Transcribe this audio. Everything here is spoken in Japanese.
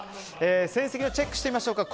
戦績をチェックしてみましょうか。